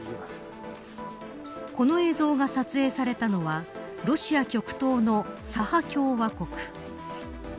この映像が撮影されたのはロシア極東のサハ共和国。